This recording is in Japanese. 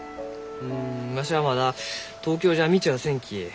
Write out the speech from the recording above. うんわしはまだ東京じゃ見ちゃあせんき。